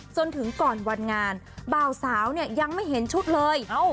จนถึงก่อนวันงานบ่าวสาวเนี่ยยังไม่เห็นชุดเลย